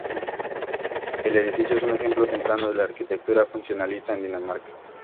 El edificio es un ejemplo temprano de la arquitectura funcionalista en Dinamarca.